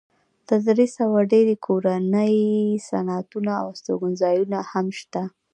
تر درې سوه ډېر کورني صنعتونه او هستوګنځایونه هم شته.